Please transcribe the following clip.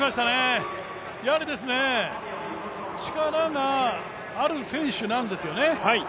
やはり力がある選手なんですよね。